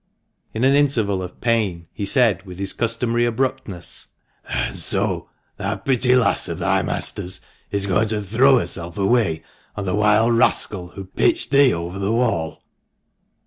In an interval of pain he said with his customary abruptness — "And so that pretty lass of thy master's is going to throw herself away on the wild rascal who pitched thee over the wall?"